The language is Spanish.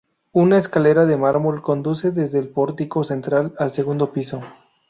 Una escalera de mármol conduce desde el pórtico central al segundo piso.